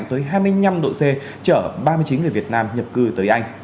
tới hai mươi năm độ c chở ba mươi chín người việt nam nhập cư tới anh